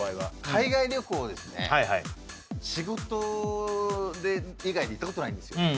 海外旅行ですね仕事以外で行ったことないんですよ